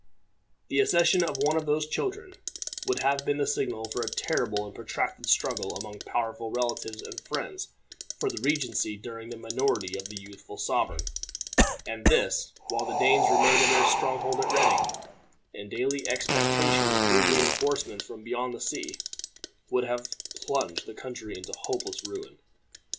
The accession of one of those children would have been the signal for a terrible and protracted struggle among powerful relatives and friends for the regency during the minority of the youthful sovereign, and this, while the Danes remained in their strong hold at Reading, in daily expectation of new re enforcements from beyond the sea, would have plunged the country in hopeless ruin.